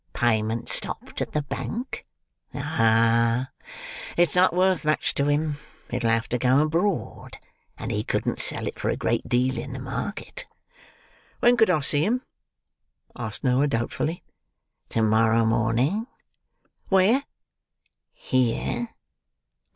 Payment stopped at the Bank? Ah! It's not worth much to him. It'll have to go abroad, and he couldn't sell it for a great deal in the market." "When could I see him?" asked Noah doubtfully. "To morrow morning." "Where?" "Here."